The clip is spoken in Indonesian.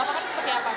apa kan seperti apa